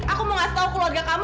aku mau ngasih tau keluarga kamu